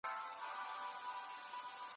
بهرنۍ تګلاره یوازي د دولتونو ترمنځ نه ده.